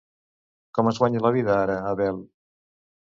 Com es guanya la vida ara Abel?